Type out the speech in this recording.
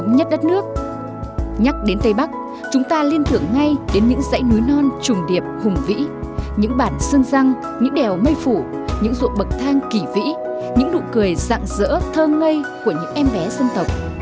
nhắc đến tây bắc chúng ta liên tưởng ngay đến những dãy núi non trùng điệp hùng vĩ những bản sơn răng những đèo mây phủ những ruộng bậc thang kỳ vĩ những nụ cười dạng dỡ thơ ngây của những em bé dân tộc